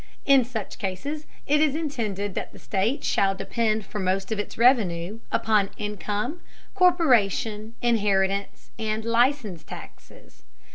In such cases it is intended that the state shall depend for most of its revenue upon income, corporation, inheritance, and license taxes.